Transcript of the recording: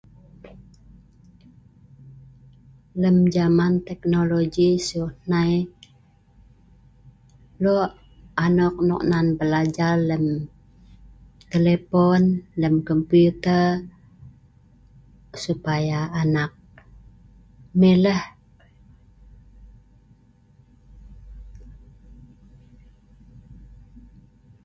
Lem jaman teknologi sieu hnai, loe’ anok non nan belajar lem telepon lem komputer supaya anak mileh